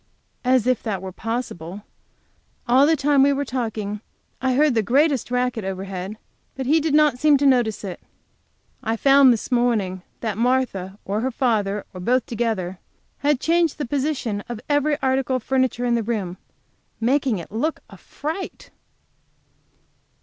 As if that were possible! All the time we were talking I heard the greatest racket overhead, but he did not seem to notice it. I found, this morning, that Martha, or her father, or both together, had changed the positions of article of furniture in the room making it look a fright.